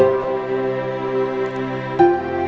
ya udah deh